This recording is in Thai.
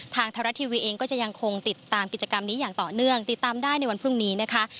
ทางไทยรัฐทีวีเองก็จะยังคงติดตามกิจกรรมนี้อย่างต่อเนื่องติดตามได้ในวันพรุ่งนี้นะคะ